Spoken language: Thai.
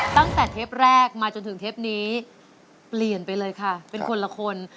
เทปแรกมาจนถึงเทปนี้เปลี่ยนไปเลยค่ะเป็นคนละคน